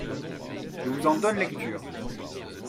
Je vous en donne lecture.